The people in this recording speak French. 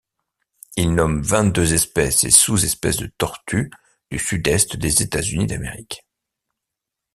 Il nomme vingt-deux espèces et sous-espèces de tortues du sud-est des États-Unis d'Amérique.